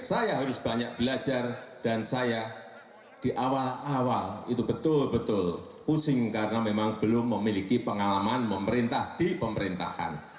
saya harus banyak belajar dan saya di awal awal itu betul betul pusing karena memang belum memiliki pengalaman memerintah di pemerintahan